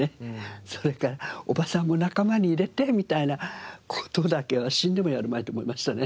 それから「おばさんも仲間に入れて」みたいな事だけは死んでもやるまいと思いましたね。